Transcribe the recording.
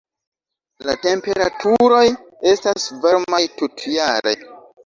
La temperaturoj estas varmaj tutjare.